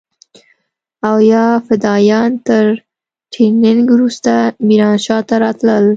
او يا فدايان تر ټرېننگ وروسته ميرانشاه ته راتلل.